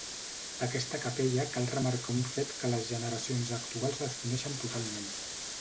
D’aquesta capella cal remarcar un fet que les generacions actuals desconeixen totalment.